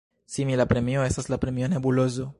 Simila premio estas la Premio Nebulozo.